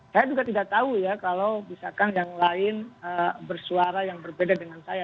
saya juga tidak tahu ya kalau misalkan yang lain bersuara yang berbeda dengan saya